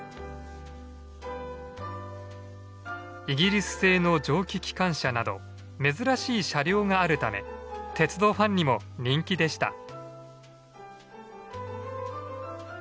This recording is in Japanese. イギリス製の蒸気機関車など珍しい車両があるため鉄道ファンにも人気でした。